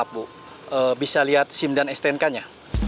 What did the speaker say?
bisa lihat sim dan stnk nya